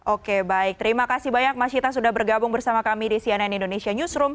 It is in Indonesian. oke baik terima kasih banyak mas cita sudah bergabung bersama kami di cnn indonesia newsroom